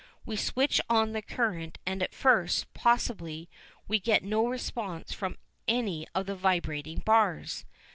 We switch on the current and at first, possibly, we get no response from any of the vibrating bars.